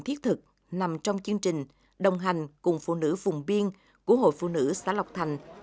thiết thực nằm trong chương trình đồng hành cùng phụ nữ vùng biên của hội phụ nữ xã lộc thành